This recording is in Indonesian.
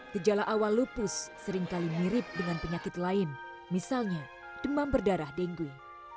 gejala awal lupus seringkali mirip dengan penyakit lain misalnya demam berdarah dengui